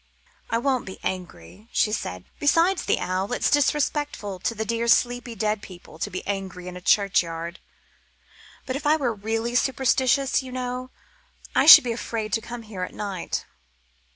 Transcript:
"I won't be angry," she said. "Besides the owl, it's disrespectful to the dear, sleepy, dead people to be angry in a churchyard. But if I were really superstitious, you know, I should be afraid to come here at night."